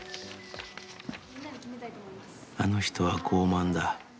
あの人は傲慢だ。